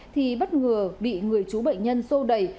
thì bất ngờ bị người chú bệnh nhân sô đẩy